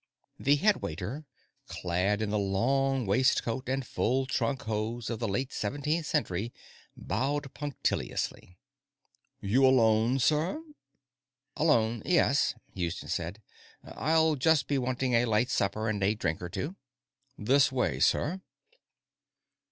The headwaiter, clad in the long waistcoat and full trunk hose of the late Seventeenth Century, bowed punctiliously. "You're alone, sir?" "Alone, yes," Houston said. "I'll just be wanting a light supper and a drink or two." "This way, sir."